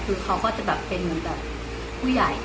คือเขาก็จะแบบเป็นแบบผู้ใหญ่